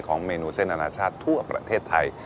เมนูเส้นอนาชาติทั่วประเทศไทย